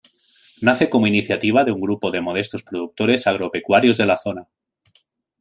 Nace como iniciativa de un grupo de modestos productores agropecuarios de la zona.